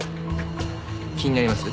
気になります？